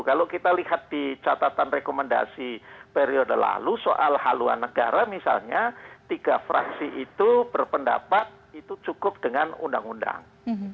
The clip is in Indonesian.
kalau kita lihat di catatan rekomendasi periode lalu soal haluan negara misalnya tiga fraksi itu berpendapat itu cukup dengan undang undang